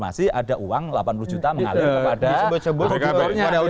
masih ada uang delapan puluh juta mengalir kepada auditornya